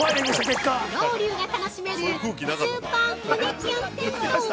ロウリュウが楽しめるスーパー胸キュン銭湯。